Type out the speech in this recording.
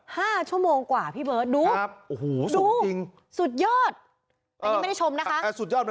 ห้าชั่วโมงกว่าพี่เบิ้ลดูครับโอ้โหสุดยอดสุดยอด